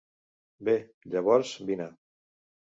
Bé, llavors vine.